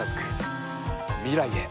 未来へ。